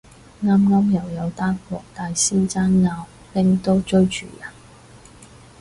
啱啱又有單黃大仙爭拗拎刀追住人